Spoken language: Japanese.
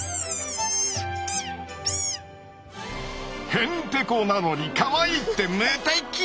へんてこなのにカワイイって無敵！